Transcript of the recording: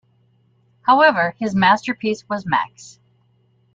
However his masterpiece was Max.